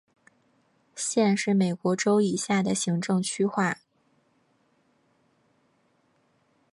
县是美国州以下的行政区划。